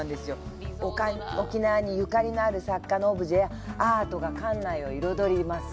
沖縄にゆかりある作家のオブジェやアートが館内を彩ります。